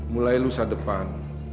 mulai lusa depan